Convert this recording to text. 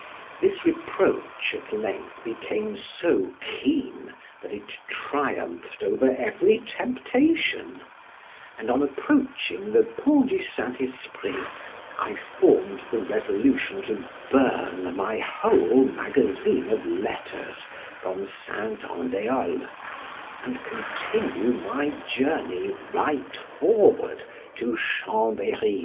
This reproach at length became so keen that it triumphed over every temptation, and on approaching the bridge of St. Esprit I formed the resolution to burn my whole magazine of letters from Saint Andiol, and continue my journey right forward to Chambery.